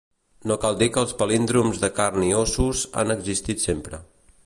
No cal dir que els palíndroms de carn i ossos han existit sempre.